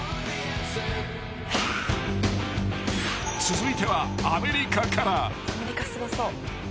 ［続いてはアメリカから］